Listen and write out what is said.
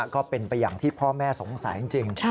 ก็เป็นไปอย่างที่พ่อแม่สงสัยจริง